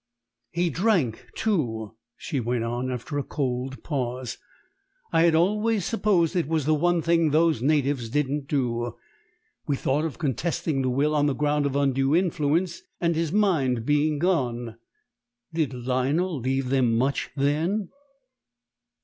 "He drank, too," she went on, after a cold pause. "I had always supposed it was the one thing those natives didn't do. We thought of contesting the will on the ground of undue influence and his mind being gone." "Did Lionel leave them much, then?"